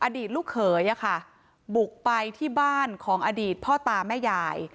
อดีตลูกเขยบุกไปที่บ้านของอดีตพ่อตาแม่ยาย